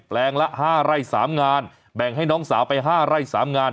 แปลงละ๕ไร่๓งานแบ่งให้น้องสาวไป๕ไร่๓งาน